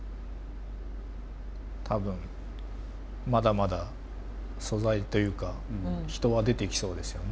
多分まだまだ素材というか人は出てきそうですよね。